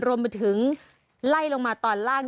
รวมไปถึงไล่ลงมาตอนล่าง